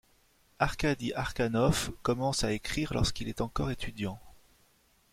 Arkadi Arkanov commence à écrire lorsqu'il est encore étudiant.